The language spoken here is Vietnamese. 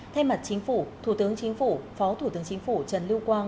thay mặt chính phủ thủ tướng chính phủ phó thủ tướng chính phủ trần lưu quang